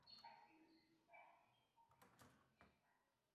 Los partidos se jugaron en Corea del Sur y Omán.